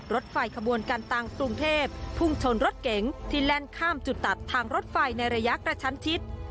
รถไฟขบวนการตังกรุงเทพพุ่งชนรถเก๋งที่แล่นข้ามจุดตัดทางรถไฟในระยะกระชั้นชิด